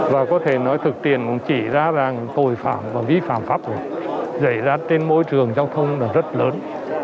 và có thể nói thực tiền cũng chỉ ra rằng tội phạm và vi phạm pháp luật xảy ra trên môi trường giao thông là rất lớn